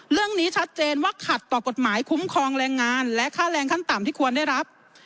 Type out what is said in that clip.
เรื่องนี้ชัดเจนว่าขัดต่อกฎหมายคุ้มครองแรงงานและค่าแรงขั้นต่ำที่ควรได้รับ